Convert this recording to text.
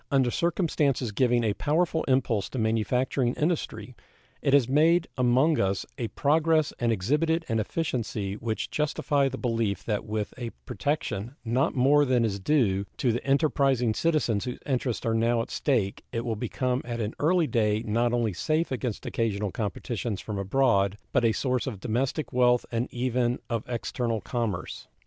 Under circumstances giving a powerful impulse to manufacturing industry it has made among us a progress and exhibited an efficiency which justify the belief that with a protection not more than is due to the enterprising citizens whose interests are now at stake it will become at an early day not only safe against occasional competitions from abroad, but a source of domestic wealth and even of external commerce.